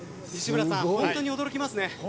本当に驚きますね。